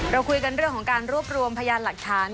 เราคุยกันเรื่องของการรวบรวมพยานหลักฐาน